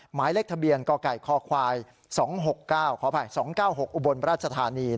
หมายเลขทะเบียนกกค๒๖๖อุบลประชาธารณี